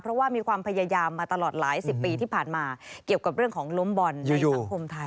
เพราะว่ามีความพยายามมาตลอดหลายสิบปีที่ผ่านมาเกี่ยวกับเรื่องของล้มบอลในสังคมไทย